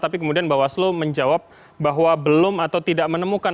tapi kemudian bawaslu menjawab bahwa belum atau tidak menemukan